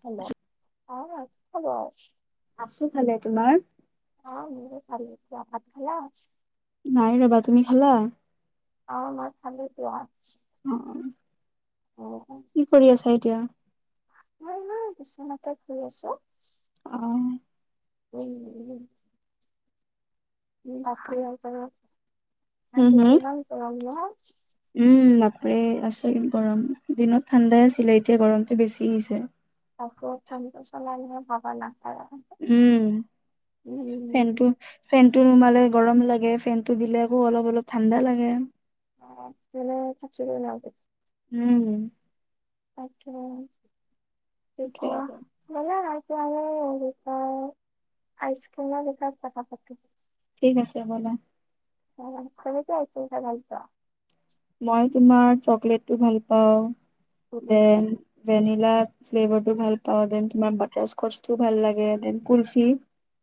Hello অঁ' hello. আছোঁ ভালে, তোমাৰ? অঁ' মোৰো ভালে দিয়া, ভাত খালা? নাই ৰবা, তুমি খালা? অঁ' আমাৰ খালো [unintelligible] অঁ'। অঁ' কি কৰি আছা এতিয়া? মই এনে বিচনাতে শুই আছোঁ। অঁ'। উমঁ'। উমঁ' [unintelligible] আজি কিমান গৰম ন'। উমঁ' বাপৰে আচৰিত গৰম, দিনত ঠাণ্ডাই আছিলে এতিয়া গৰমটো বেছি হৈছে। কাপোৰত কামটো চলাই নহয় [unintelligible] উমঁ' ফেনটো উম ফেনটো নুমালে গৰম লাগে, ফেনটো দিলে আকৌ অলপ ঠাণ্ডা লাগে। তেনে [unintelligible] উমঁ'। তাকে, কি সেইটোৱে কোৱা? আৰু। মানে [unintelligible] আইচক্ৰীমৰ বিষয় কথা পাতো। ঠিক আছে ব'লা। অঁ' কেনেকে আইচক্ৰীম খাই ভাল পোৱা? মই তোমাৰ চকলেটটো ভাল পাওঁ, পোৱা ডেন ভেনিলাত ফ্লেভাৰটো ভাল পাওঁ, দেন তোমাৰ বাটাৰ স্কচ টো ভাল লাগে, দেন কুলফি।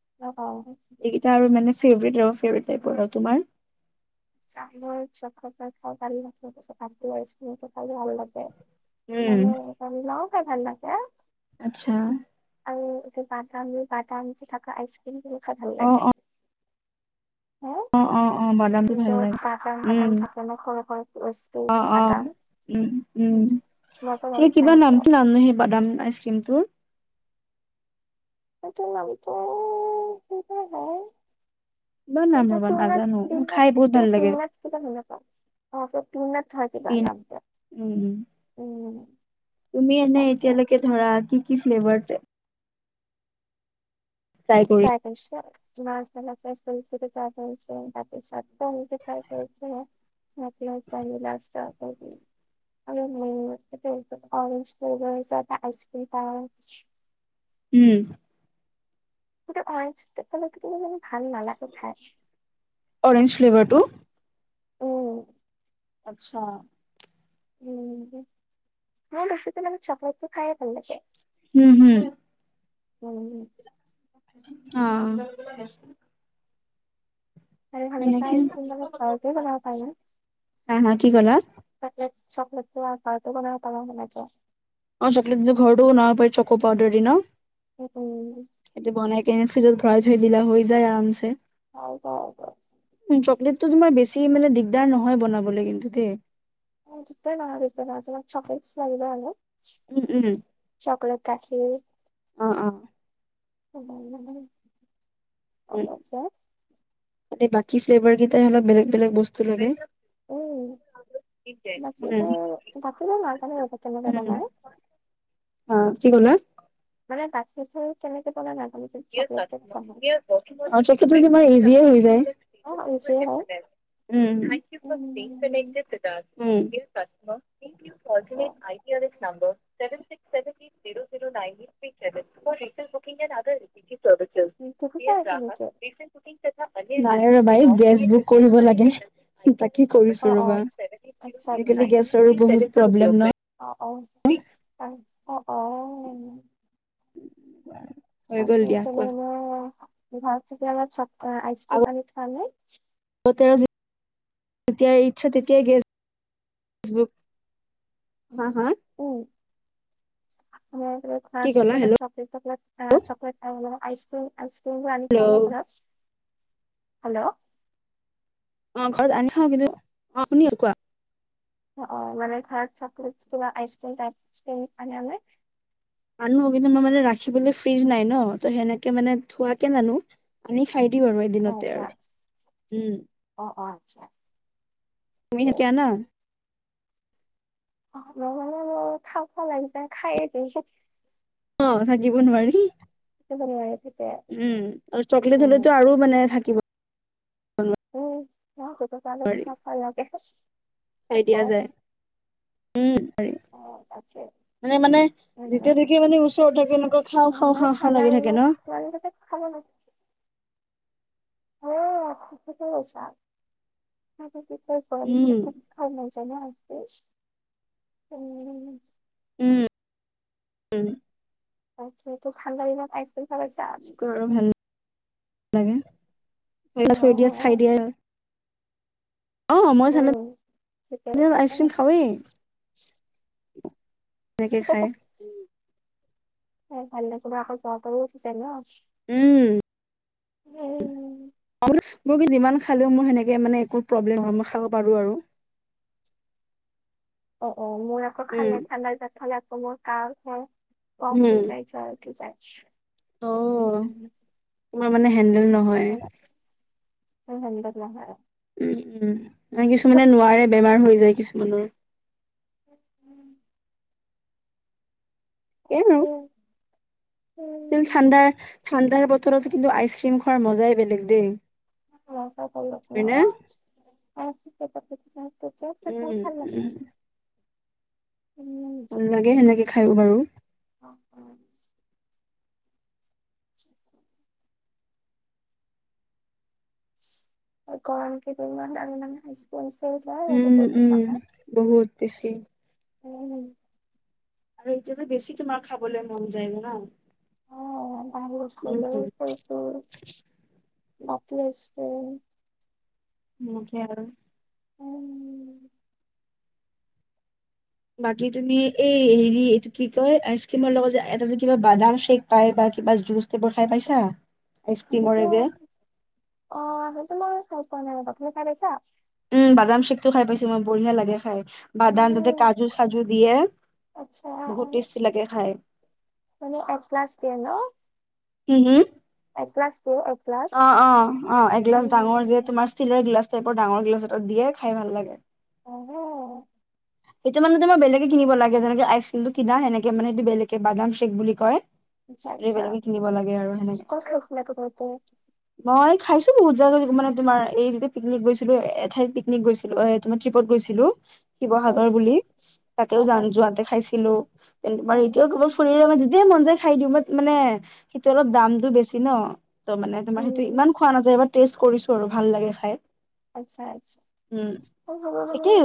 [unintelligible] এই কেইটা আৰু ফেভাৰিট আৰু ফেভাৰিট টাইপৰ আৰু তোমাৰ? [unintelligible] খাই ভাল লাগে [unintelligible] উম মানে [unintelligible] খাই ভাল লাগে। আচ্ছা'। আৰু এতিয়া বাদাম যে বাদাম যে থকা আইচক্ৰীমটো খাই ভাল লাগে। হা অঁ' অঁ' অঁ' বাদামটো ভাল য'ত লাগে, বাদাম বাদাম উমঁ' থাকে ন সৰু সৰু স্পেচ অঁ' অঁ'। বাদাম উমঁ' উমঁ' মইতো সেই কিবা ভাল পাওঁ সেইটো নামটো নাম সেই বাদাম আইচ ক্ৰীমটোৰ। সেইটো নামতো কিবা হয়। কিবা নাম ৰবা নাজানো খাই বহুত ভাল লাগে [unintelligible] পিন উম [unintelligible] তুমি এনেই তাকে। এতিয়ালৈকে ধৰা কি কি ফ্লেভাৰ ত ট্ৰাই কৰি পাইছা? মাৰশল য [unintelligible] য বাকি চ খাই যছে [unintelligible] [unintelligible] আৰু মেইমলিকেটো অৰেজ ফ্লেভাৰ তাৰপৰা আইচক্ৰিম [unintelligible] উমঁ। কিন্তু অৰেঞ্জটো কেতিয়াবা কেতিয়াবা মানে ভাল নালাগে খায়। অৰেঞ্জ ফ্লেভাৰটো। অ', আচ্ছা। উম, [unintelligible] চকলেটো খাইৱে ভাল লাগে। হুম, হুম। উম, হুম। অ', আৰু এনেকে [unintelligible] ঘৰতে বনাব পাৰো। হা, হা। কি ক'লা? চকলেট- চকলেটো আমি ঘৰটৈ বনাবো পাৰো। অ', চকলেটো ঘৰটো বনাব পাৰি, চক' পাউডাৰ দি ন। উম। সেইটো বনাই কেনে ফ্ৰিজত ভৰাই থৈ দিলে, হৈ যায় আৰামছে। হয় [unintelligible] উম, চকলেটটো তোমাৰ বেছি মানে দিগদাৰ নহয় বনাবলৈ কিন্তু দেই। অ', যিতে লাগে বনাই দিতে পাৰছিলাম চকলেটছ [unintelligible] উম, উম। চকলেট গাখীৰ। অ', অ'। [unintelligible] অলপ যায়। মানে, বাকী ফ্লেভাৰ কেইটাই অলপ বেলেগ বেলেগ বস্তু লাগে। উম, উম, বাকীবোৰ কখন উম, [unintelligible] অ', কি‌ ক'লা? মানে গাখীৰবোৰ কেনেকে পেলায় নাজানো [unintelligible] অ', [unintelligible] তোমাৰ ইজিয়ে হৈ যায়। অ নিজে হয় [unintelligible] উম [unintelligible] উম done, um, ইনচাটছ [unintelligible] fortunate I D R F number- seven six seven three zero zero nine three six seven four three [unintelligible] উই দেখিছা নিজে কেন [unintelligible] নাই ৰ ভাই গেছ বুক কৰিব লাগে। তাকে অ কৰিছোঁ অ ৰ'বা, আচ্ছা আচ্ছা আজিকালি গেছৰো বহুত প্ৰব্লেম নহ। অ', অ', তাত, অ', অ'। [unintelligible] দিয়া তাৰপিছত কোৱা, এনে [unintelligible] আমাৰ চব আইচক্ৰিম আনি খোৱা নাই। পুতেৰৰ যে, যেতিয়াই ইচ্ছা তেতিয়াই গেছ বুক হা, হা? উম। আমাৰ একেবাৰে খোৱাৰ কি ক'লা পিছতে এটা হেল্ল' চক [unintelligible] চকলেট, এ চকলেট আৰু অলপমান আইক্ৰীম, আইক্ৰীম মই আনি খাওঁ হেল্ল' নহয় [unintelligible] হেল্ল' অ', ঘৰত আনি খাওঁ [unintelligible] অ', শুনি আছোঁ কোৱা? অ', অ', মানে ঘৰত চকলেটচ কিবা আইচক্ৰীম- টাইচক্ৰীম মানে [unintelligible] আনো কিন্তু, মই মানে ৰাখিবলৈ ফ্ৰীজ নাই ন, ত' সেনেকে মানে থোৱাকে নানো। আনি খাই দিওঁ আৰু, অ এদিনতে আচ্ছা আৰু, উম। অ', অ', আচ্ছা, আচ্ছা। তুমি এতিয়া ন? নহ'লে মই খাওঁ খাওঁ লাগিছে, খায়েই দিওঁ। অ', থাকিব নোৱাৰি। [unintelligible] উম, আৰু চকলেট উম হ'লেতো, আৰু মানে থাকিব উম, মই সেইটো কাৰণে নোৱাৰি খাই দিয়া যায় [unintelligible] উম, নোৱাৰি। অ', তাকে। মানে, মানে উম যেতিয়া উম নেকি মানে ওচৰত থাকে, এনেকুৱা খাওঁ, খাওঁ, খাওঁ, খাওঁ লাগি থাকে ন'। খালে নাই? [unintelligible] উম খাব মন যায় ন' একপিছ? উম। উম, উম। আইচক্ৰীমটো ঠাণ্ডা দিনত আইচক্ৰীম খায় পাইছা? [unintelligible] ৰু ভাল লাগে, অ থৈ দিয়ে, অ চাই দিয়ে। অ', মই ঠাণ্ডা উম ঠিকে দিনটো কৈছা আইচক্ৰীম খাওঁৱেই। সেনেকে খাই খাই ভাল লাগিলেও আকৌ জ্বৰ তৰো উঠি যায় ন'। উম উম। অ', মানে কি, মোৰ কি যিমান খালেও, মোৰ সেনেকে মানে একো প্ৰব্লেম নহয়, মই খাব পাৰোঁ আৰু। অ', অ', মোৰ আকৌ খালে উম ঠাণ্ডা দিনত খালে আকৌ মোৰ কাঁহ হয়। কফ হৈ উম যায়, জ্বৰ উঠি যায়, অ উম। তোমাৰ মানে হেণ্ডেল নহ [unintelligible] হেণ্ডেল নহয়। উম, উম, নাই কিছুমানে নোৱাৰে, বেমাৰ হৈ যায় কিছুমানৰ। উ, উম। [unintelligible] [inaudible] ছিল ঠাণ্ডাৰ, ঠাণ্ডাৰ বতৰত কিন্তু, আইচক্ৰীম খোৱাৰ মজাই বেলেগ দেই। হয়নে [unintelligible] তেতিয়া উম [unintelligible] ভাল লাগে, উম উম। ভাল লাগে সেনেকে খায়ো বাৰু। অ', অ'। [inaudible] গৰম কেইদিনমান দামী, দামী আইচক্ৰীম আছে। উম, উম, বহুত বেছি। উম। আৰু এতিয়াটো বেছি তোমাৰ খাবলৈ মন যায় জানা। উম [unintelligible] মাতি আছে। উম, সেয়া আৰু। উম। বাকী তুমি এই হেৰি এইটো কি কয় আইচক্ৰীমৰ লগত যে এটা যে কিবা বাদাম শেক পাই বা কিবা জুচ এইবোৰ খাই পাইছা? অ', সেইটো আইচক্ৰীমৰে যে অ', সেইটো বাৰু খাই পোৱা নাই বাকীবোৰ খাই পাইছা? উম, বাদাম শ্বেকটো খাই পাইছো মই, বঢ়িয়া লাগে খাই। বাদাম তাতে উম কাজু-চাজু দিয়ে, আচ্ছা বহুত টেষ্টি লাগে খাই। মানে অ', ক্লাছ দিয়ে ন'? হুম হুম? এ ক্লাছটো অঁ অঁ অঁ এগিলাছ ডাঙৰ যে তোমাৰ ষ্টীলৰ গিলাচ টাইপৰ ডাঙৰ গিলাছ এতাত দিয়ে খাই ভাল লাগে। অ সেইটো মানে তোমাৰ বেলেগে কিনিব লাগে যেনেক আইচ ক্ৰীমটো কিনা সেনেকে মানে এইটো বেলেগে বাদাম চেক বুলি কয়। আচ্ছা আচ্ছা এইবিলাকে কিনিব লাগে আৰু সেনেকে। কত গৈছিলে এইটো খাওঁতে? মই খাইছো বহুত জাগা মানে তোমাৰ এই যেতিয়া পিকনিক গৈছিলো এঠাইত পিকনিক গৈ ছিলো এ তোমাৰ ট্ৰিপত গৈছিলো। শিৱসাগৰ আচ্ছা বুলি তাতেও অ অ যাও যোৱাতে খাইছিলো তে অ বাৰু এতিয়াও কেৱল ফুৰিলে দে মন যায় খাই দিওঁ বাট মানে সেইটো অলপ দামটো বেছি ন'। ত' মানে তোমাৰ সেইটো উম ইমান খোৱা নাযায় এবাৰ টেষ্ট কৰিছো আৰু ভাল লাগে খাই। আচ্ছা আচ্ছা উম একেই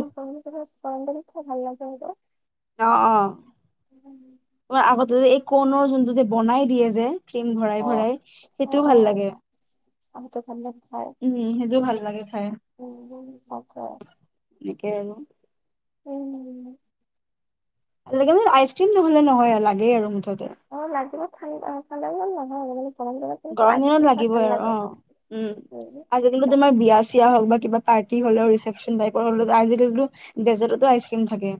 [unintelligible] অঁ অঁ। উম। আগতে যে এ কণৰ যোনটো যে বনাই দিয়ে যে ক্ৰীম ভৰাই অ ভৰাই সেইটোও ভাল লাগে। [unintelligible] উম সেইটোও ভাল লাগে খাই উম তাকে। এনেকে আৰু উম কেৱল আইচ ক্ৰীম নহলে নহয় আৰু লাগেই আৰু মুঠতে। অ লাগে ঠাণ্ডা খালে মানে নহয় আৰু মানে গৰম দিনত কিন্তু গৰম দিনত আইচক্ৰীম খাই লাগিবই ভাল আৰু লাগে। অঁ উম, আজিকালিটো তোমাৰ বিয়া চিয়া হওঁক বা কিবা পাৰ্টি হলেও ৰিচেপচন টাইপৰ হলেও আজিকালিটো ডেজাৰ্টতো আইচক্ৰীম থাকে।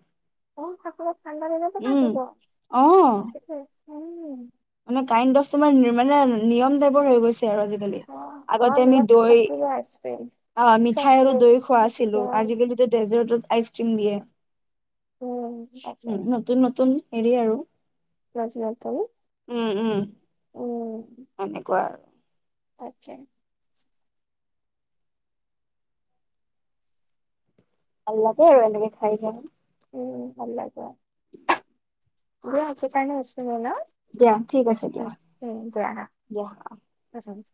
অঁ [unintelligible] ঠাণ্ডা [unintelligible] উম অ মানে কাইণ্দ অফ তোমাৰ নিৰ্মা মানে নিয়ম টাইপৰ হৈ গৈছে আৰু আজিকালি। অ অ আগতে আমি বিৰাট দৈ থাকিব আইচক্ৰীম আ চব মিঠাই আৰু দৈ ফ্লেভাৰছ খোৱা থাকি আছিলো যায় আজিকালি ডেজাৰ্টত আইচ ক্ৰীম দিয়ে উম তাকে উম, নতুন নতুন হেৰি আৰু [unintelligible] উম উম সেনেকুৱা আৰু। আচ্ছা। ভাল লাগে আৰু এনেকে খাই যা উম, ভাল লাগে। [unintelligible] ন' দিয়া ঠিক আছে উম দিয়া, দিয়া। ঠিক আছে।